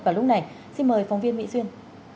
và lúc này xin mời phóng viên mỹ duyên